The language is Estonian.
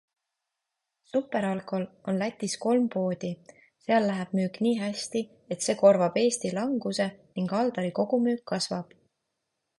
SuperAlkol on Lätis kolm poodi, seal läheb müük nii hästi, et see korvab Eesti languse ning Aldari kogumüük kasvab.